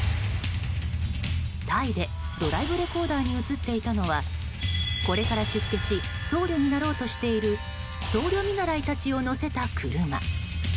タイでドライブレコーダーに映っていたのはこれから出家し僧侶になろうとしている僧侶見習いたちを乗せた車。